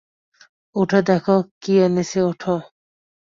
উঠে দেখ কি এনেছি, উঠো।